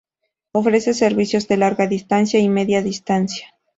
Ofrece servicios de Larga Distancia y Media Distancia.